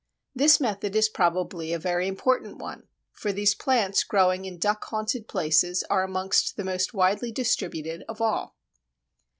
This method is probably a very important one, for these plants growing in duck haunted places are amongst the most widely distributed of all.